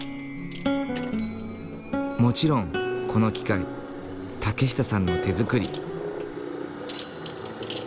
もちろんこの機械竹下さんの手づくり。